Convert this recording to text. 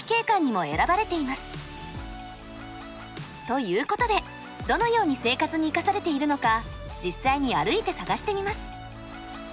ということでどのように生活に生かされているのか実際に歩いて探してみます。